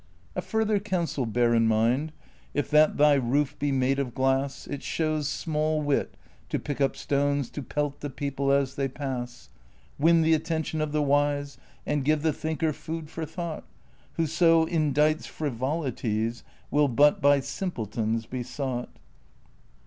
A further counsel bear in mind : If that thy roof be made of glass, It shows small wit to pick up stones To pelt the people as they pass. Win the attention of the wise, And give the thinker food for thought; Whoso indites frivolities, Will but by simpletons be sought.